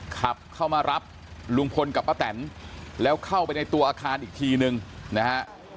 ขับเข้ามารับลุงพลกับป้าแตนแล้วเข้าไปในตัวอาคารอีกทีนึงนะฮะ